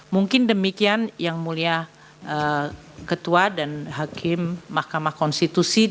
mungkin demikian yang mulia ketua dan hakim mahkamah konstitusi